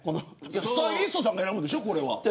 スタイリストさんが選ぶんでしょ。